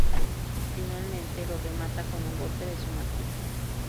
Finalmente lo remata con un golpe de su martillo.